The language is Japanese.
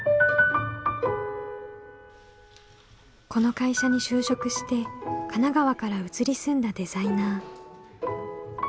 この会社に就職して神奈川から移り住んだデザイナー。